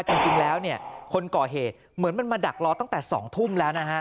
จริงแล้วเนี่ยคนก่อเหตุเหมือนมันมาดักรอตั้งแต่๒ทุ่มแล้วนะฮะ